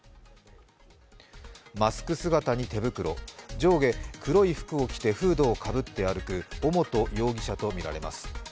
マスク姿に手袋上下、黒い服を着てフードをかぶって歩く尾本容疑者とみられます。